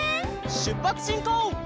しゅっぱつしんこう！